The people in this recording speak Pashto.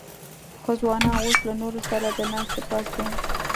خو ځوانان اوس له نورو سره د ناستې پاستې